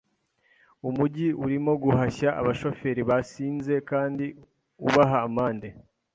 Umujyi urimo guhashya abashoferi basinze kandi ubaha amande.